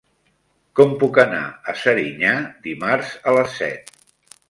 Com puc anar a Serinyà dimarts a les set?